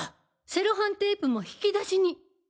セロハンテープも引き出しに。